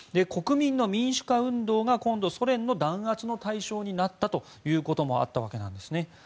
国民の民主化運動が今度、ソ連の弾圧の対象になったこともあったわけなんです。